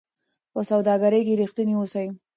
په سوداګرۍ کې رښتیني اوسئ.